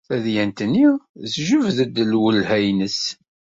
Tadyant-nni tejbed-d lwelha-nnes.